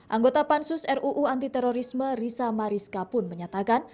anggota pansus ruu anti terorisme risa mariska pun menyatakan